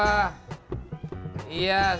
suruh dateng ke rumah gua